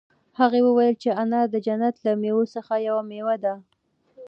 هغه وویل چې انار د جنت له مېوو څخه یوه مېوه ده.